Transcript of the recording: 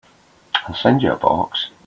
I'll send you a box.